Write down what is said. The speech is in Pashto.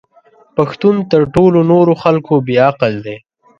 پښتون تر ټولو نورو خلکو بې عقل دی!